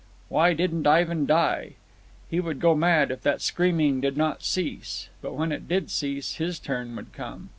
Why didn't Ivan die? He would go mad if that screaming did not cease. But when it did cease, his turn would come.